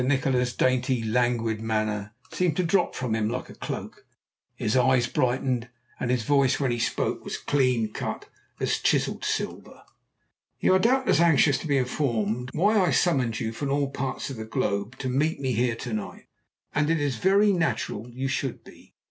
Nikola's dainty, languid manner seemed to drop from him like a cloak, his eyes brightened, and his voice, when he spoke, was clean cut as chiselled silver. "You are doubtless anxious to be informed why I summoned you from all parts of the globe to meet me here to night? And it is very natural you should be.